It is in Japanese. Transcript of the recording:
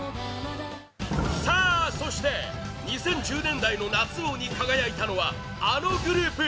さあ、そして２０１０年代の夏王に輝いたのはあのグループ！